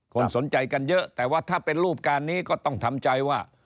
คนสนใจกันเยอะแต่ว่าถ้าเป็นรูปการนี้ก็ต้องทำใจว่า